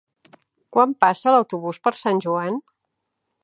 Quan passa l'autobús per Sant Joan?